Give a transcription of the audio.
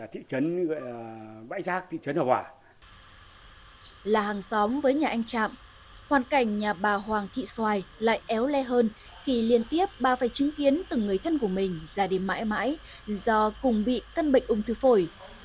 hoàn cảnh nhà bà hoàng thị xoài lại éo le hơn khi liên tiếp bà phải chứng kiến từng người thân của mình ra đi mãi mãi do cùng bị thân bệnh ung thư phổi